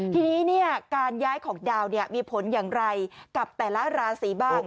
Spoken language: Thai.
ทีนี้การย้ายของดาวมีผลอย่างไรกับแต่ละราศีบ้าง